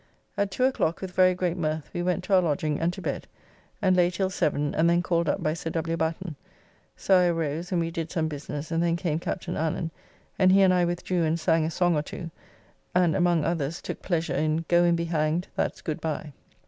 At 2 o'clock, with very great mirth, we went to our lodging and to bed, and lay till 7, and then called up by Sir W. Batten, so I arose and we did some business, and then came Captn. Allen, and he and I withdrew and sang a song or two, and among others took pleasure in "Goe and bee hanged, that's good bye."